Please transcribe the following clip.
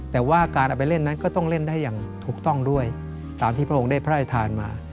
แต่ว่าการเอาไปเล่นนั้นก็ต้องเล่นได้อย่างถูกต้องด้วยตามที่พระองค์ได้พระราชทานมา